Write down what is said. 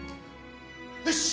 よし！